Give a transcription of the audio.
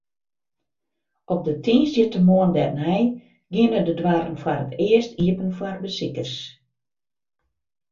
Op de tiisdeitemoarn dêrnei giene de doarren foar it earst iepen foar besikers.